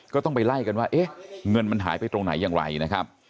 ก็ต้องไปไล่กันว่าเอ๊ะเงินมันหายไปตรงไหนอย่างไรนะครับ